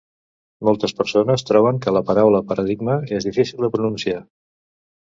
Moltes persones troben que la paraula "paradigma" és difícil de pronunciar